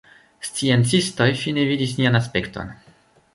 Sciencistoj fine vidis nian aspekton.